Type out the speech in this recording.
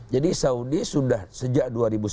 jadi saudi sudah sejak dua ribu sebelas